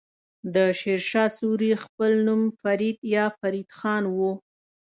د شير شاه سوری خپل نوم فريد يا فريد خان وه.